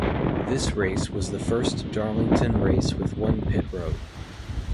This race was the first Darlington race with one pit road.